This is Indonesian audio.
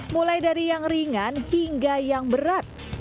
mulai dari yang ringan hingga yang berat